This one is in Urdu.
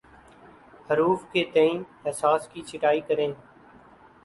حروف کے تئیں حساس کی چھٹائی کریں